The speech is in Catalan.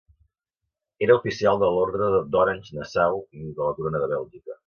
Era oficial de l'Ordre d'Orange-Nassau i de la Corona de Bèlgica.